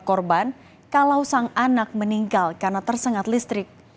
korban kalau sang anak meninggal karena tersengat listrik